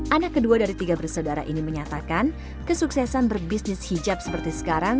anak kedua dari tiga bersaudara ini menyatakan kesuksesan berbisnis hijab seperti sekarang